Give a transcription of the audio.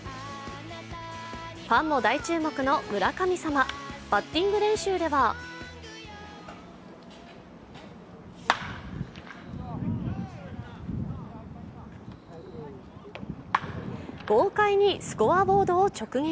ファンも大注目の村神様、バッティング練習では豪快にスコアボードを直撃。